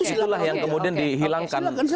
itulah yang kemudian dihilangkan